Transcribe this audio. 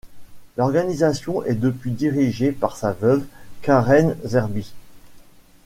L'organisation est depuis dirigée par sa veuve, Karen Zerby.